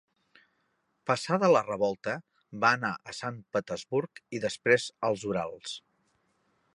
Passada la revolta va anar a Sant Petersburg i després als Urals.